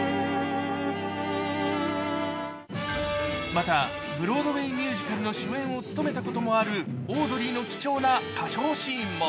また、ブロードウェイミュージカルの主演を務めたこともある、オードリーの貴重な歌唱シーンも。